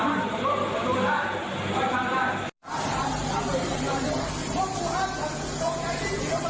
อันเดียวสมวนคลุ้มกดเสถียรชื่อคลุ้มกายไหวหน้า